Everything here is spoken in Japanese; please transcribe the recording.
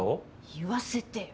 言わせてよ。